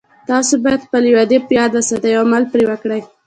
تاسې باید خپلې وعدې په یاد وساتئ او عمل پری وکړئ